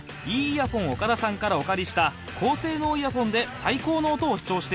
イヤホン岡田さんからお借りした高性能イヤホンで最高の音を視聴しています